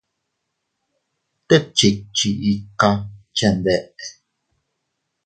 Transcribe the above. Tet chikchi ikaa chenbeʼe.